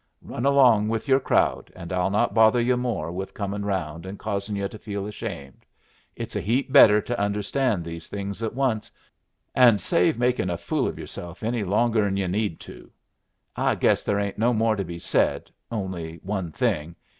Run along with your crowd, and I'll not bother yu' more with comin' round and causin' yu' to feel ashamed. It's a heap better to understand these things at once, and save making a fool of yourself any longer 'n yu' need to. I guess there ain't no more to be said, only one thing.